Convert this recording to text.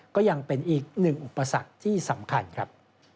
ก็ยังเป็นอีกหนึ่งอุปสรรคที่สำคัญครับ